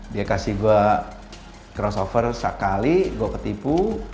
dia kasih gue crossover sekali gue ketipu